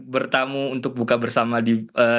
bertamu untuk buka bersama di